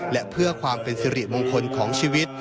และเพื่อความเป็นสิริมงคลของชีวิต